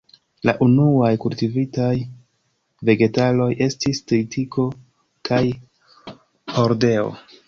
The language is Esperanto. La unuaj kultivitaj vegetaloj estis tritiko kaj hordeo.